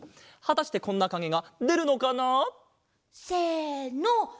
はたしてこんなかげがでるのかな？せの！